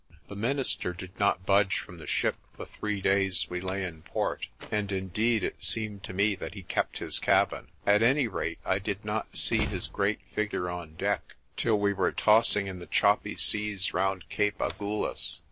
The minister did not budge from the ship the three days we lay in port, and, indeed, it seemed to me that ke kept his cabin. At any rate I did not see his great figure on deck till we were tossing in the choppy seas round Cape Agulhas.